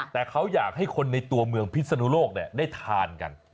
แต่เขาอยากให้คนในตัวเมืองพิศนุโลกได้ทานกัน